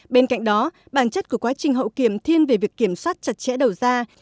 bên cạnh đó bản chất của quá trình hậu kiểm thiên về việc kiểm soát chặt chẽ đầu ra